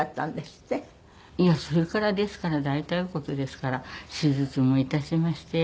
いやそれからですから大腿骨ですから手術も致しまして。